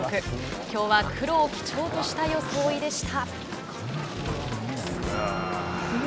きょうは黒を基調とした装いでした。